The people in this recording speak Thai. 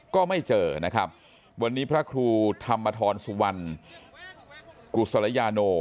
ก็ไม่เจอนะครับวันนี้พระครูธรรมทรสุวรรณกุศลยาโน